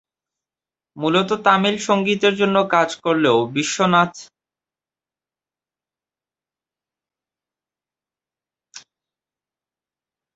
মূলত তামিল সঙ্গীতের জন্য কাজ করলেও বিশ্বনাথন তেলুগু এবং মালয়ালম চলচ্চিত্রের সঙ্গীত পরিচালনার জন্যও ডাক পেতেন।